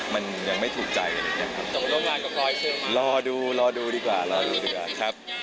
มันยังไม่ถูกใจกันอีกนะครับ